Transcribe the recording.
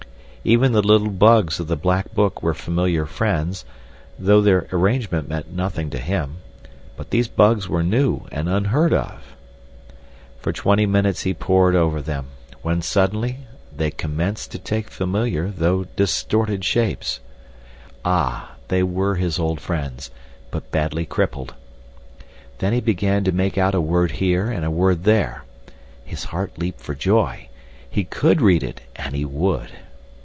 Even the little bugs of the black book were familiar friends, though their arrangement meant nothing to him; but these bugs were new and unheard of. For twenty minutes he pored over them, when suddenly they commenced to take familiar though distorted shapes. Ah, they were his old friends, but badly crippled. Then he began to make out a word here and a word there. His heart leaped for joy. He could read it, and he would.